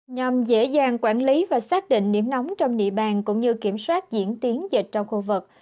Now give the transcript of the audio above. nhằm dễ dàng quản lý và xác định điểm nóng trong địa bàn cũng như kiểm soát diễn tiến dịch trong khu vực